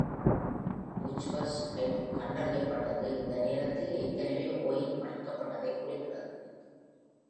Bacchus-head கண்டறியப்பட்டது, இந்த நேரத்தில் ஏற்கனவே ஒயின் வளர்க்கப்பட்டதை குறிக்கிறது.